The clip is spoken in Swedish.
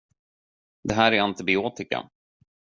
Det här är antibiotika.